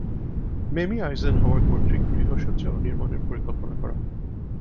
Mamy Eisenhower কর্তৃক গৃহসজ্জা ও নির্মাণের পরিকল্পনা করা হয়।